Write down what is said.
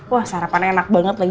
wah sarapannya enak banget lagi